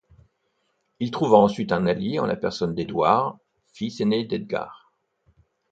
Il trouva ensuite un allié en la personne d'Édouard, fils aîné d'Edgar.